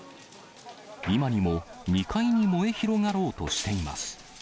今にも２階に燃え広がろうとしています。